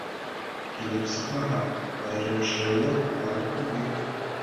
Килеп сыҡмаһа, айырылышыуы ауыр түгел.